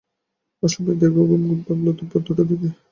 অসময়ে দীর্ঘ ঘুম ঘুম ভাঙলো দুপুর দুটোরদিকে।